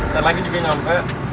ntar lagi juga nyampe